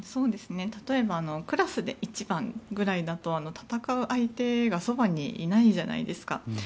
例えばクラスで１番ぐらいだと戦う相手がそばにいないじゃないですか。